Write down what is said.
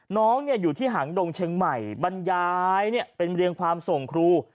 น้องเนี้ยอยู่ที่หางดงเชียงใหม่บรรยายเนี้ยเป็นบริเวณความส่งครู